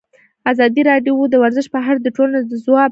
ازادي راډیو د ورزش په اړه د ټولنې د ځواب ارزونه کړې.